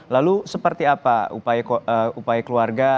lalu seperti apa upaya keluarga